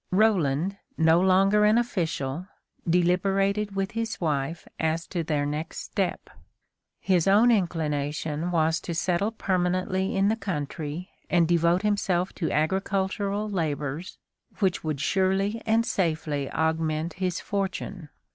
Roland, no longer an official, deliberated with his wife as to their next step. His own inclination was to settle permanently in the country and devote himself to agricultural labors which would surely and safely augment his fortune.